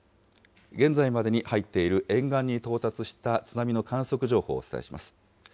現在までに入っている沿岸に到達した津波の観測情報をお伝えします。